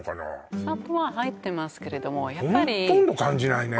お砂糖は入ってますけれどもほとんど感じないね